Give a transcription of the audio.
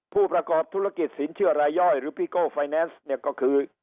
ผู้ประกอบธุรกิจศีลเชื่อรายย่อยก็คือ